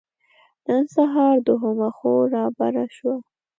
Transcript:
نن سهار دوهمه خور رابره شوه.